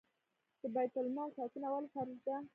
د بیت المال ساتنه ولې فرض ده؟